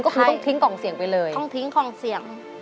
ก็คือต้องทิ้งกล่องเสี่ยงไปเลย